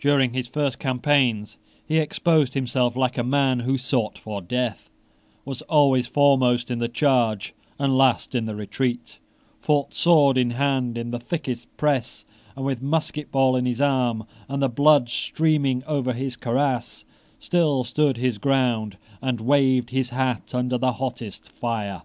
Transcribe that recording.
During his first campaigns he exposed himself like a man who sought for death, was always foremost in the charge and last in the retreat, fought, sword in hand, in the thickest press, and, with a musket ball in his arm and the blood streaming over his cuirass, still stood his ground and waved his hat under the hottest fire.